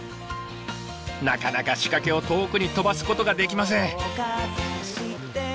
なかなか仕掛けを遠くに飛ばすことができません。